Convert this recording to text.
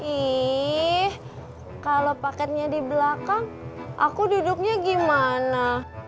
ih kalau paketnya di belakang aku duduknya gimana